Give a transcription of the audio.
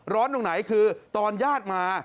ตรงไหนคือตอนญาติมา